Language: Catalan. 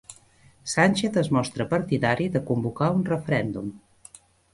Sánchez es mostra partidari de convocar un referèndum